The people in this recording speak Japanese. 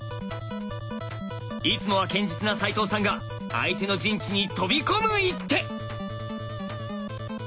いつもは堅実な齋藤さんが相手の陣地に飛び込む一手！